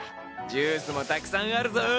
ジュースもたくさんあるぞ。